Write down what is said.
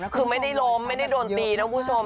คือไม่ได้ล้มไม่ได้โดนตีนะคุณผู้ชม